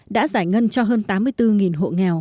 đã giải ngân cho hơn tám mươi bốn hộ nghèo